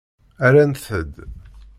Rrant-d.